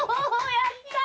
やったー！